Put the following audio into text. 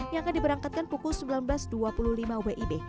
yang akan diberangkatkan pukul sembilan belas dua puluh lima wib